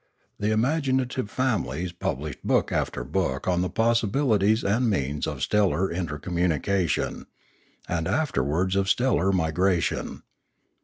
The imaginative fami lies published book after book on the possibilities and means of stellar intercommunication, and afterwards of stellar migration.